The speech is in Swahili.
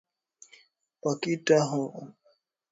Pakati ya kongolo na mbulula kuko mutoni ya mayi ya moto